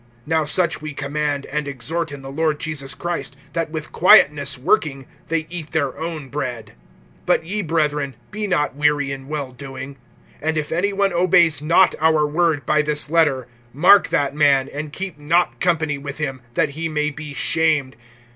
(12)Now such we command, and exhort, in the Lord Jesus Christ, that with quietness working, they eat their own bread. (13)But ye, brethren, be not weary in well doing. (14)And if any one obeys not our word by this letter, mark that man, and keep not company with him, that he may be shamed.